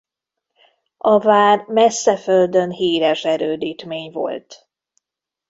A vár messze földön híres erődítmény volt.